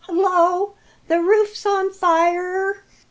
"Hullo, the roof's on fire!"